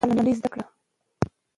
دا لنډۍ زده کړه.